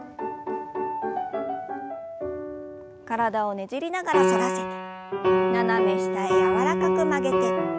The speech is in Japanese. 体をねじりながら反らせて斜め下へ柔らかく曲げて。